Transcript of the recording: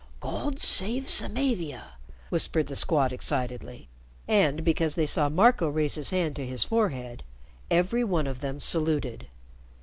'" "God save Samavia!" whispered the Squad, excitedly. And, because they saw Marco raise his hand to his forehead, every one of them saluted.